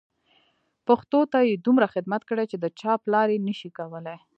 پښتو ته یې دومره خدمت کړی چې د چا پلار یې نه شي کولای.